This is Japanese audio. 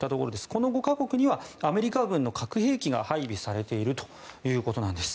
この５か国にはアメリカ軍の核兵器が配備されているということです。